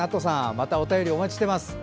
またお便りお待ちしています。